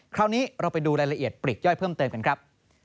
คราวนี้เราไปดูรายละเอียดปลีกย่อยเพิ่มเติมกันครับ